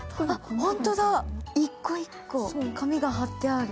本当だ、一個一個紙が貼ってある。